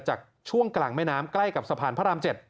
ช่วงกลางแม่น้ำใกล้กับสะพานพระราม๗